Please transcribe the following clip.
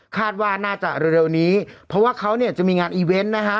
คาดว่าน่าจะเร็วนี้เพราะว่าเขาเนี่ยจะมีงานอีเวนต์นะฮะ